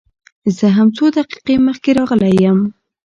زه هم څو دقيقې مخکې راغلى يم.